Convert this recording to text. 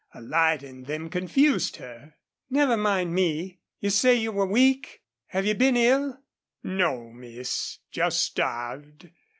A light in them confused her. "Never mind me. You say you were weak? Have you been ill?" "No, miss, just starved....